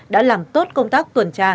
đã làm tốt công tác tuần tra